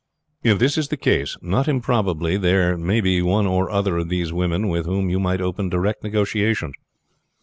"If this is the case, not improbably there may be one or other of these women with whom you might open direct negotiations.